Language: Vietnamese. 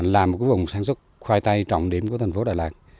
là một vùng sản xuất khoai tây trọng điểm của thành phố đà lạt